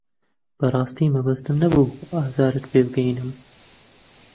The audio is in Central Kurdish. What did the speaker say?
بەڕاستی مەبەستم نەبوو ئازارت پێ بگەیەنم.